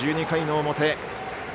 １２回の表。